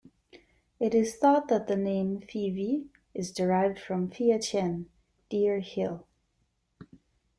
It is thought that the name Fyvie is derived from "Fia-chein" 'Deer hill'.